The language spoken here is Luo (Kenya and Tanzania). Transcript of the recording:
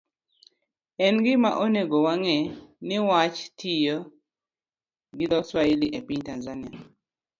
En gima onego wang'e ni wach tiyo gi dho-Swahili e piny Tanzania,